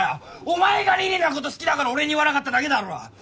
お前が李里奈のこと好きだから俺に言わなかっただけだろ！